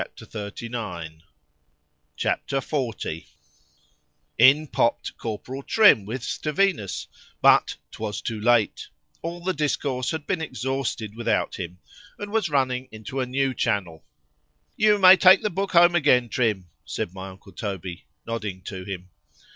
XL IN popped Corporal Trim with Stevinus:—But 'twas too late,—all the discourse had been exhausted without him, and was running into a new channel. —You may take the book home again, Trim, said my uncle Toby, nodding to him.